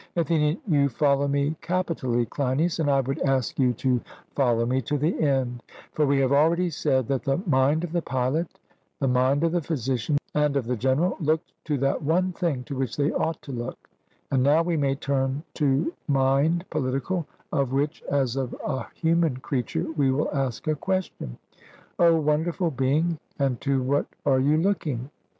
ATHENIAN: You follow me capitally, Cleinias, and I would ask you to follow me to the end, for we have already said that the mind of the pilot, the mind of the physician and of the general look to that one thing to which they ought to look; and now we may turn to mind political, of which, as of a human creature, we will ask a question: O wonderful being, and to what are you looking?